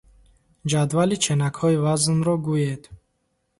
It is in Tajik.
Ҷадвали ченакҳои вазнро гӯед.